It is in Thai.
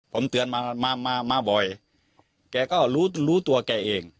ผมเตือนมามาบ่อยแกก็รู้รู้ตัวแกเอง